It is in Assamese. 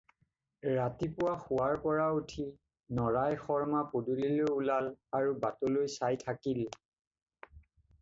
ৰাতিপুৱা শোৱাৰ পৰা উঠি নৰাই শৰ্ম্মা পদূলিলৈ ওলাল আৰু বাটলৈ চাই থাকিল।